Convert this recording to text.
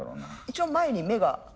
一応前に目が。